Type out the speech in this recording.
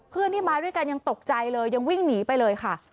เพื่อนที่มาด้วยกันยังตกใจเลยยังวิ่งหนีไปเลยค่ะ